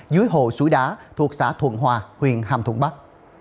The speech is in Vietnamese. dưới hồ suối đá thuộc xã thuận hòa huyện hàm thuận bắc